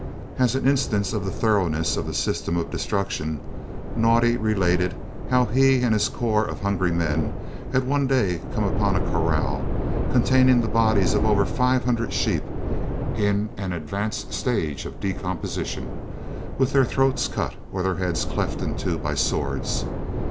As an instance of the thoroughness of the system of destruction, Naudé related how he and his corps of hungry men had one day come upon a kraal containing the bodies of over 500 sheep in an advanced stage of decomposition, with their throats cut or their heads cleft in two by swords.